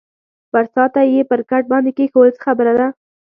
برساتۍ یې پر کټ باندې کېښوول، څه خبره ده؟